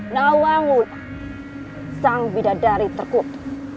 nalangu sang bidadari terkut